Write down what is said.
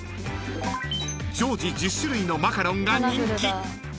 ［常時１０種類のマカロンが人気］